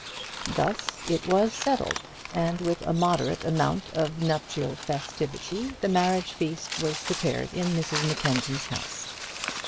Thus it was settled, and with a moderate amount of nuptial festivity the marriage feast was prepared in Mrs Mackenzie's house.